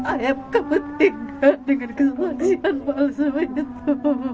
ayah bukan penting dengan kesuasian palsu itu